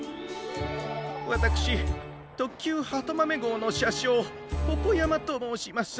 わたくしとっきゅうはとまめごうのしゃしょうポポやまともうします。